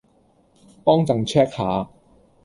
幫朕 check 吓